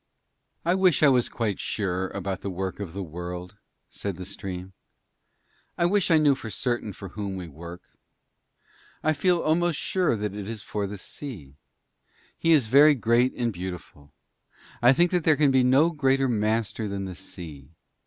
'I wish I was quite sure about the Work of the World,' said the stream; 'I wish I knew for certain for whom we work. I feel almost sure that it is for the sea. He is very great and beautiful. I think that there can be no greater master than the sea.